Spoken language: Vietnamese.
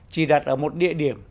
chỉ đặt ở một địa điểm